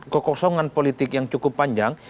kekosongan politik yang cukup panjang